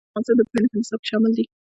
رسوب د افغانستان د پوهنې په نصاب کې شامل دي.